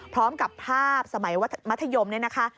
พร้อมกับภาพสมัยมัธยมเนี่ยนะคะ